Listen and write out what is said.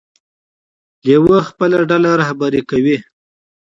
لیوه خپله ډله رهبري کوي.